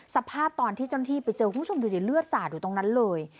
สภาพตอนที่เจ้าหน้าที่ไปเจอคุณผู้ชมดูสิเลือดสาดอยู่ตรงนั้นเลย